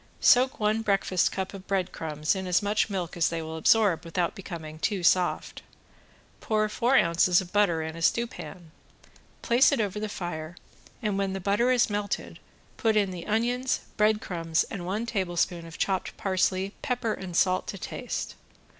Soak one breakfast cup of bread crumbs in as much milk as they will absorb without becoming too soft. Pour four ounces of butter in a stewpan, place it over the fire, and when the butter is melted put in the onions, breadcrumbs and one tablespoon of chopped parsley, pepper and salt to taste.